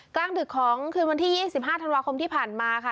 กลางดึกของคืนวันที่๒๕ธันวาคมที่ผ่านมาค่ะ